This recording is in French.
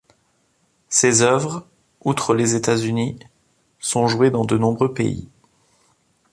Ses œuvres, outre les États-Unis, sont jouées dans de nombreux pays.